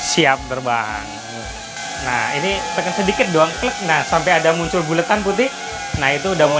siap terbang nah ini pengen sedikit doang klik nah sampai ada muncul buletan putih nah itu udah mau